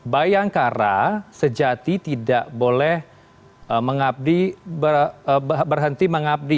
bayangkara sejati tidak boleh mengabdi berhenti mengabdi